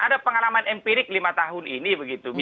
ada pengalaman empirik lima tahun ini begitu